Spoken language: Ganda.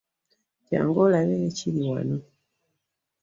Jangu olabe ekiri wano.